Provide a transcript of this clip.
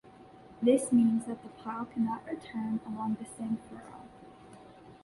This means that the plough cannot return along the same furrow.